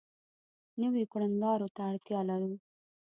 نویو کړنلارو ته اړتیا لرو.